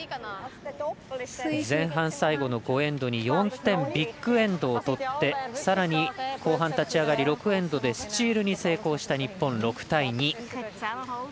前半、最後４点、ビッグエンドを取ってさらに、後半立ち上がり６エンドでスチールに成功した、６対２。